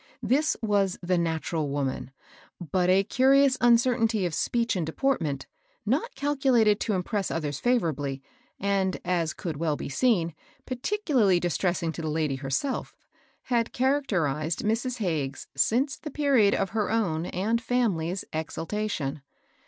This was the natural woman ; but a curious uncertainty of speech and deportment, not calculated to impress others ^ar^^ tr ablj, and, sls could well be aeew, ^^T>C\ex3N»:^l ^^®«" S12 MABEL BOSS. tiessing to the lady herself, had characterized Mrs. Hagges since the period of her own and family's exaltation.